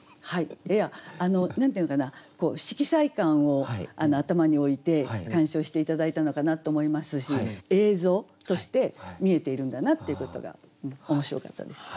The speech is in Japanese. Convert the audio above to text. いや何て言うのかな色彩感を頭に置いて鑑賞して頂いたのかなと思いますし映像として見えているんだなっていうことが面白かったです。